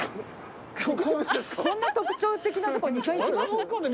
こんな特徴的なとこ２回行きます？